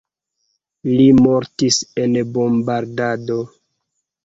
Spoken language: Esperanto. Li mortis en bombardado.